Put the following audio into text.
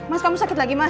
dan lumpuhan istri adil pun